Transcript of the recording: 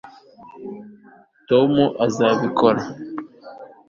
tom azabikora